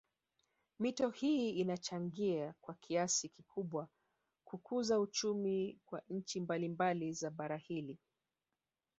Mito hii inachangia kwa kiasi kikubwa kukuza uchumi kwa nchi mbalimbali za bara hili